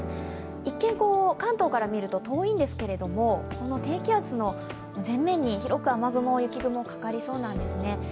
一見、関東から見ると遠いんですけれどもこの低気圧の前面に広く雨雲、雪雲かかりそうなんですね。